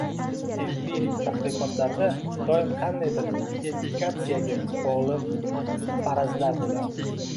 Empirik tadqiqotlarda, doim qandaydir identifikatsiyaga bog‘liq farazlar bo‘ladi.